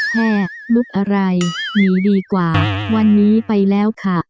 แม่ลูกอะไรหนีดีกว่าวันนี้ไปแล้วค่ะ